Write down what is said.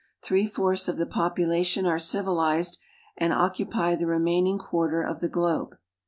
Three fourths of the population are civilized and occupy the remaining quarter of the globe.